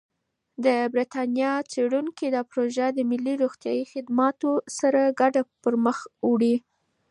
د بریتانیا څېړونکي دا پروژه د ملي روغتیايي خدماتو سره ګډه پرمخ وړي.